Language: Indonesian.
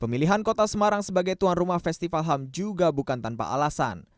pemilihan kota semarang sebagai tuan rumah festival ham juga bukan tanpa alasan